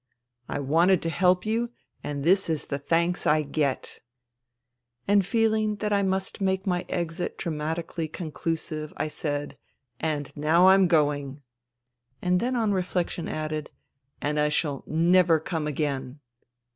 " I wanted to help you, and this is the thanks I get. ..." And feehng that I must make my exit dramatically conclusive, I said, " And now I'm going "; and then on reflection added, " and I shall never come again."